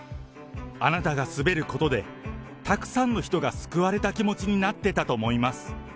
あなたが滑ることで、たくさんの人が救われた気持ちになってたと思います！